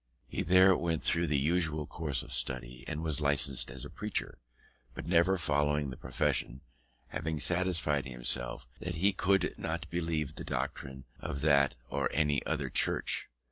He there went through the usual course of study, and was licensed as a Preacher, but never followed the profession; having satisfied himself that he could not believe the doctrines of that or any other Church.